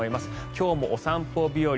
今日もお散歩日和。